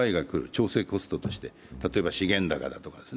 調整コストとして、例えば資源高とか。